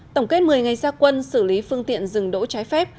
tổng kết một mươi ngày gia quân xử lý phương tiện rừng đỗ trái phép